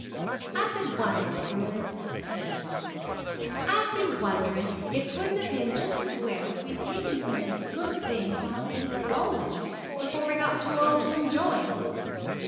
"I've been wondering, Reuben," said his wife "I've been wondering if 'twouldn't have been just as well if we'd taken some of the good things while they was goin' before we got too old to enjoy 'em."